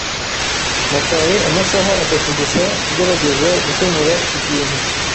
Nataye amasaha atatu gusa ngerageza gukemura iki kintu.